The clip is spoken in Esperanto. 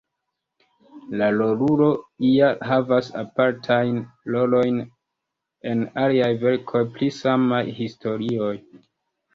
La rolulo ja havas apartajn rolojn en aliaj verkoj pri samaj historioj.